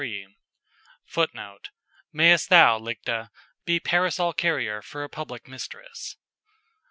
[Footnote: "Mayst thou, Lygde, be parasol carrier for a publind mistress."